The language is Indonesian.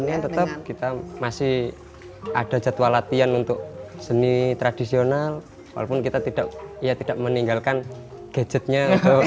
ini tetap kita masih ada jadwal latihan untuk seni tradisional walaupun kita tidak meninggalkan gadgetnya